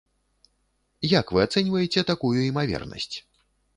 Як вы ацэньваеце такую імавернасць?